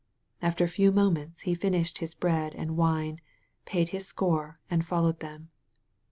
After a few moments he finished his bread and wine, paid his score, and followed them.